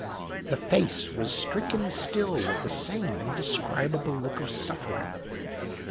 The face was stricken still with the same indescribable look of suffering.